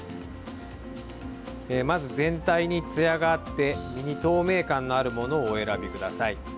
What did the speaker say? まず全体につやがあって身に透明感のあるものをお選びください。